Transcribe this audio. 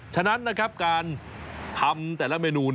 ฉะนั้นนะครับการทำแต่ละเมนู